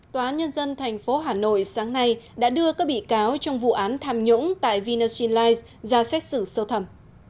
tòa án nhân dân thành phố hà nội sáng nay đã đưa các bị cáo trong vụ án tham nhũng tại vinaxin lines ra xét xử sâu thẩm